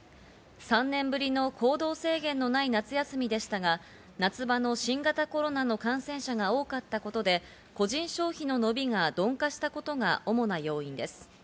３年ぶりの行動制限のない夏休みでしたが、夏場の新型コロナの感染者が多かったことで、個人消費の伸びが鈍化したことが主な要因です。